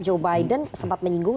joe biden sempat menyinggung